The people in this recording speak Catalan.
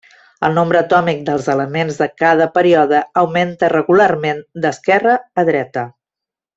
El nombre atòmic dels elements de cada període augmenta regularment d'esquerra a dreta.